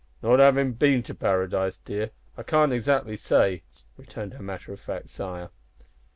"Not havin' been to paradise, dear, I can't exactly say," returned her matter of fact sire.